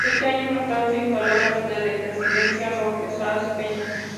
Seis años más tarde se instaló en la ciudad de Presidencia Roque Sáenz Peña.